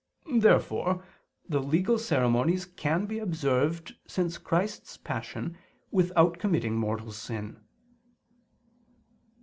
Therefore the legal ceremonies can be observed since Christ's Passion without committing mortal sin.